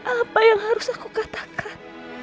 apa yang harus aku katakan